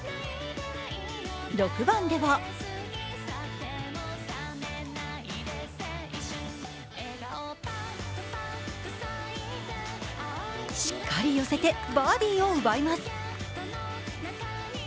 ６番ではしっかり寄せてバーディーを奪います。